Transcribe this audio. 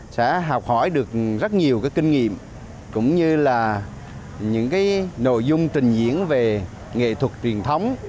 sẽ học hỏi được rất nhiều kinh nghiệm cũng như là những nội dung trình diễn về nghệ thuật truyền thống